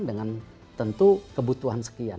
dengan tentu kebutuhan sekian